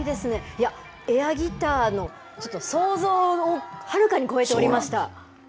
いや、エアギターの、ちょっと想像をはるかに超えておりました。